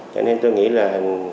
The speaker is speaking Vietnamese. cho nên tôi nghĩ là